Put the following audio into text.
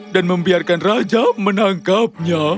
dan membiarkan raja menangkapnya